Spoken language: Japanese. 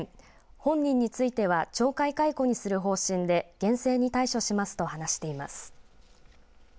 本人については懲戒解雇にする方針で厳正に対処しますと話しています。